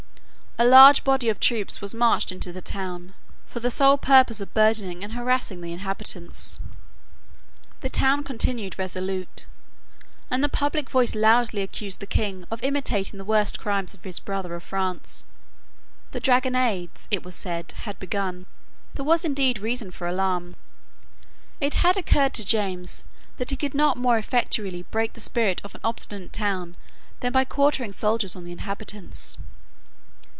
A large body of troops was marched into the town for the sole purpose of burdening and harassing the inhabitants. The town continued resolute; and the public voice loudly accused the King of imitating the worst crimes of his brother of France. The dragonades, it was said, had begun. There was indeed reason for alarm. It had occurred to James that he could not more effectually break the spirit of an obstinate town than by quartering soldiers on the inhabitants.